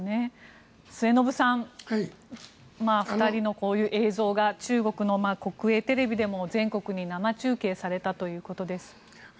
末延さん２人のこういう映像が中国の国営テレビでも全国に生中継されたということです。